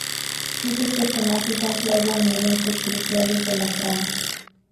Muchos personajes son clave en eventos cruciales de la trama.